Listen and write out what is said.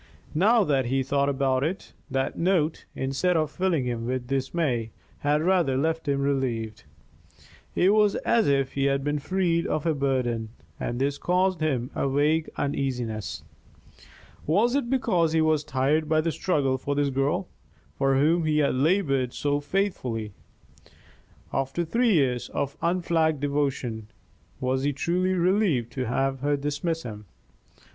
Now that he thought about it, that note, instead of filling him with dismay, had rather left him relieved. It was as if he had been freed of a burden, and this caused him a vague uneasiness. Was it because he was tired by the struggle for this girl, for whom he had labored so faithfully? After three years of unflagging devotion, was he truly relieved to have her dismiss him?